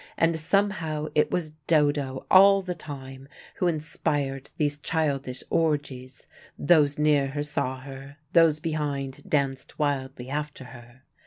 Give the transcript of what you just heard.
And somehow it was Dodo all the time who inspired these childish orgies: those near her saw her, those behind danced wildly after her.